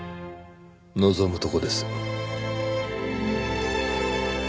望むとこです。